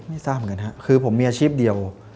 ทราบเหมือนกันครับคือผมมีอาชีพเดียว